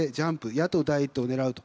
野党第１党を狙うと。